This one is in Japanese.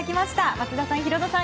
松田さん、ヒロドさん